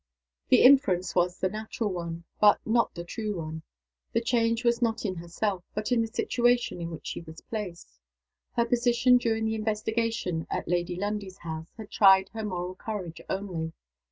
The inference was the natural one but not the true one. The change was not in herself, but in the situation in which she was placed. Her position during the investigation at Lady Lundie's house had tried her moral courage only.